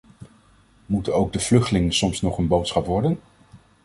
Moeten ook de vluchtelingen soms nog een boodschap worden?